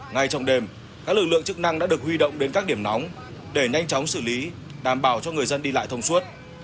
ngay trong đêm các lực lượng chức năng đã được huy động đến các điểm nóng để nhanh chóng xử lý đảm bảo cho người dân đi lại thông suốt